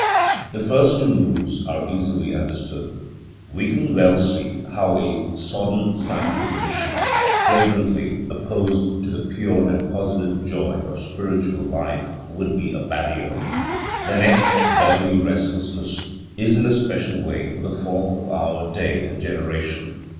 The first two moods are easily understood. We can well see bow a sodden psychic condition, flagrantly opposed to the pure and positive joy of spiritual life, would be a barrier. The next, bodily restlessness, is in a special way the fault of our day and generation.